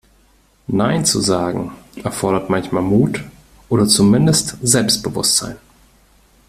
Nein zu sagen, erfordert manchmal Mut oder zumindest Selbstbewusstsein.